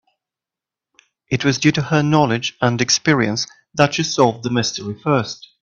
It was due to her knowledge and experience that she solved the mystery first.